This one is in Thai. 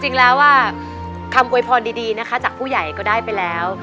จริงแล้วคำอวยพรดีนะคะจากผู้ใหญ่ก็ได้ไปแล้ว